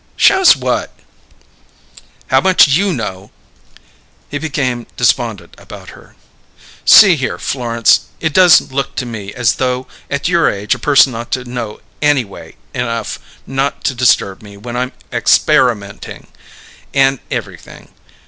"Shows what?" "How much you know!" He became despondent about her. "See here, Florence; it does look to me as though at your age a person ought to know anyway enough not to disturb me when I'm expairamenting, and everything.